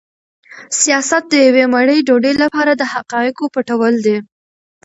سیاست د یوې مړۍ ډوډۍ لپاره د حقایقو پټول دي.